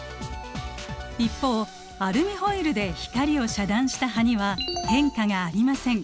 一方アルミホイルで光を遮断した葉には変化がありません。